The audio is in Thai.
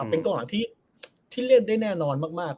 เป็นกองหลังที่เล่นได้แน่นอนมาก